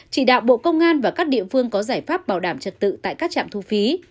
chỉ đạo bộ công an và các địa phương có giải pháp bảo đảm trật tự tại các trạm thu phí